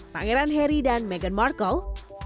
pangeran harry dan meghan markle